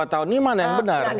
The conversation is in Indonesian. lima tahun ini mana yang benar